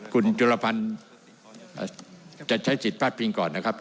คุณจุลพันธ์จะใช้สิทธิ์พลาดพิงก่อนนะครับ